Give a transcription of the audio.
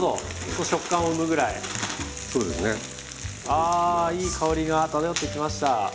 あいい香りが漂ってきました。